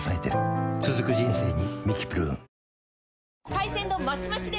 海鮮丼マシマシで！